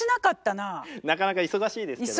なかなか忙しいですけども。